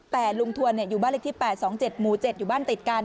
แต่ลุงทวนอยู่บ้านเลขที่๘๒๗หมู่๗อยู่บ้านติดกัน